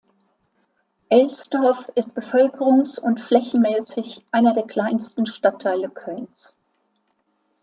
Elsdorf ist bevölkerungs- und flächenmäßig einer der kleinsten Stadtteile Kölns.